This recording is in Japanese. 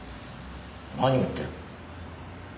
何を言ってる？